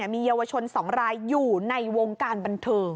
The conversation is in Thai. มีเยาวชน๒รายอยู่ในวงการบันเทิง